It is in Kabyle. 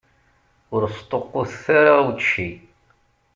Ur sṭuqqutet ara učči.